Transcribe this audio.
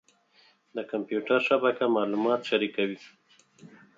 د کمپیوټر شبکه معلومات شریکوي.